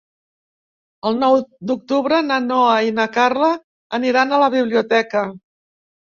El nou d'octubre na Noa i na Carla aniran a la biblioteca.